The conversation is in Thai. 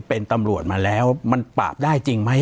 ปากกับภาคภูมิ